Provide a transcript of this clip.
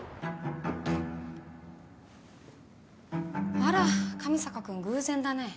あら上坂君偶然だね。